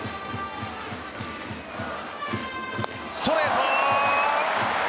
ストレート！